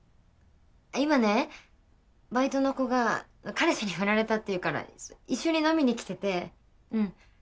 今ねバイトの子が彼氏にフラれたっていうから一緒に飲みに来ててうん。